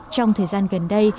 trong thời gian gần đây